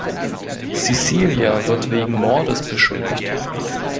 Cecilia wird wegen Mordes beschuldigt.